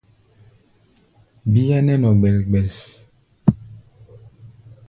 Bíá nɛ́ nɔ gbɛl-gbɛl.